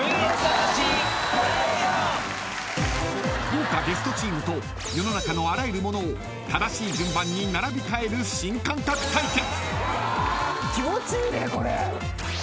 ［豪華ゲストチームと世の中のあらゆるものを正しい順番に並び替える新感覚対決］